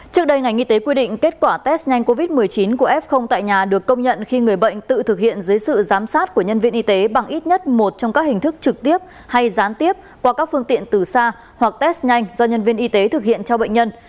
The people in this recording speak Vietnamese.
trước đây ngành y tế quy định kết quả test nhanh covid một mươi chín của f tại nhà được công nhận khi người bệnh tự thực hiện dưới sự giám sát của nhân viên y tế bằng ít nhất một trong các hình thức trực tiếp hay gián tiếp qua các phương tiện từ xa hoặc test nhanh do nhân viên y tế thực hiện cho bệnh nhân